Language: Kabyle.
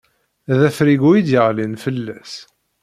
D afrigu i d-yeɣlin fell-as.